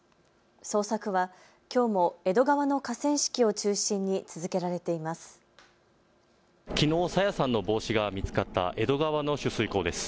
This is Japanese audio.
捜索はきょうも江戸川の河川敷を中心に続けられています。